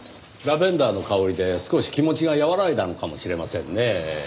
ラベンダーの香りで少し気持ちが和らいだのかもしれませんねぇ。